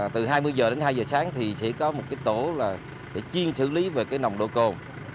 từ hai mươi giờ đến hai giờ sáng thì sẽ có một tổ chiên xử lý về nồng độ cồn